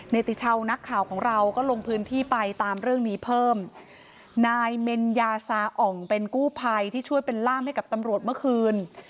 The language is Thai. ติชาวนักข่าวของเราก็ลงพื้นที่ไปตามเรื่องนี้เพิ่มนายเมนยาซาอ่องเป็นกู้ภัยที่ช่วยเป็นล่ามให้กับตำรวจเมื่อคืน